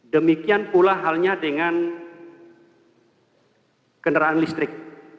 demikian pula halnya dengan kendaraan listrik